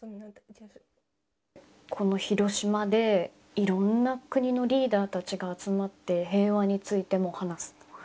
この広島で、いろんな国のリーダーたちが集まって平和についても話す。